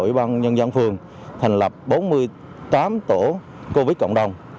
ủy ban nhân dân phường thành lập bốn mươi tám tổ covid cộng đồng